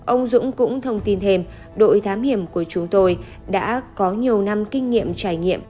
ông dũng cũng thông tin thêm đội thám hiểm của chúng tôi đã có nhiều năm kinh nghiệm trải nghiệm